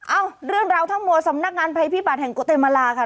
เอ้าเรื่องราวทั้งหมดสำนักงานภัยพิบัตรแห่งกุเตมาลาค่ะ